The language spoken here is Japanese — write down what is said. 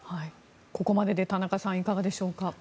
ここまでで田中さんいかがですか。